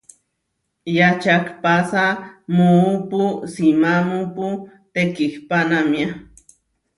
Yačahpása muúpu simámupu tekihpánamia.